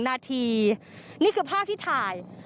นี่คือภาพที่ถ่าย